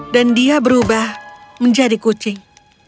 dan dia berubah menjadi kucing